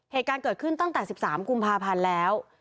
เหตุการณ์เกิดขึ้นตั้งแต่๑๓กุมภาพันธ์แล้ว